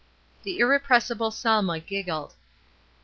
The irrepressible Selma giggled.